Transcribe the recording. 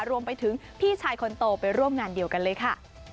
รวมไปถึงพี่ชายคนโตไปร่วมงานเดียวกันเลยค่ะ